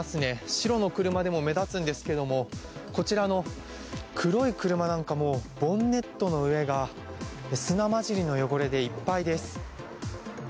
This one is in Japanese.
白の車でも目立つんですがこちらの黒い車なんかもうボンネットの上が砂交じりの汚れでいっぱいです。